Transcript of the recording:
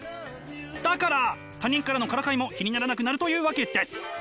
だから他人からのからかいも気にならなくなるというわけです！